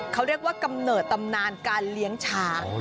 เขาเรียกว่ากำเนิดตำนานการเลี้ยงช้าง